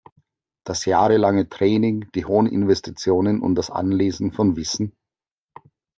Das jahrelange Training, die hohen Investitionen und das Anlesen von Wissen?